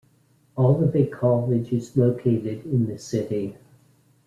Olivet College is located in the city.